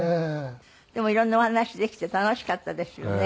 でもいろんなお話できて楽しかったですよね。